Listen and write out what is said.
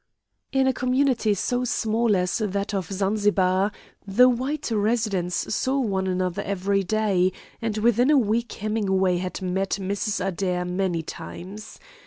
In a community so small as was that of Zanzibar the white residents saw one another every day, and within a week Hemingway had met Mrs. Adair many times.